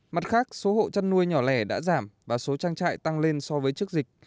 mặt khác số hộ chăn nuôi nhỏ lẻ đã giảm và số trang trại tăng lên so với trước dịch